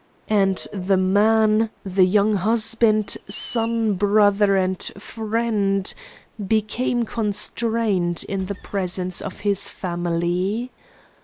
And the man, the young husband, son, brother, and friend, became constrained in the presence of his family.